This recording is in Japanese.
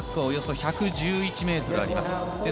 およそ１１１ｍあります。